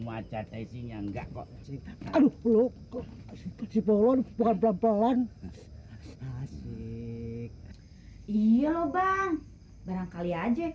macet isinya enggak kok aduh lu si bolon bukan pelan pelan asik iya loh bang barangkali aja